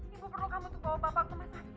ibu perlu kamu bawa bapak ke rumah sakit